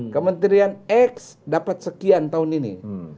kementerian x dapat sekian tahun ini